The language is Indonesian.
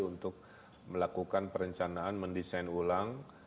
untuk melakukan perencanaan mendesain ulang